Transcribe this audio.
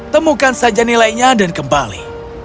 temukan saja nilainya dan kembali